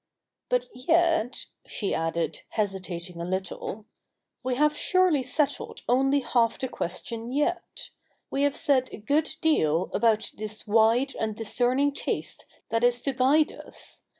But yet —' she added, hesitating a little, ' we have surely settled only half the question yet. We have said a good deal about this wide and discerning taste that is to guide us.